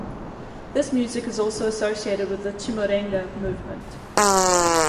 This music is also associated with the Chimurenga movement.